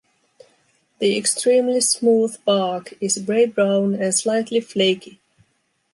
The extremely smooth bark is grey-brown and slightly flaky.